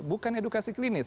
bukan edukasi klinis